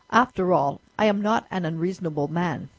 After all, I am not an unreasonable man.